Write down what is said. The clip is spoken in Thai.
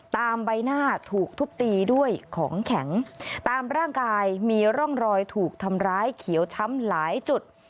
ใบหน้าถูกทุบตีด้วยของแข็งตามร่างกายมีร่องรอยถูกทำร้ายเขียวช้ำหลายจุด